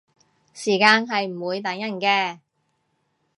時間係唔會等人嘅